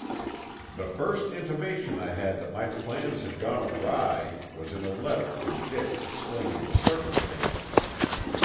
"The first intimation I had that my plans had gone awry was in a letter from Dick explaining the circumstances.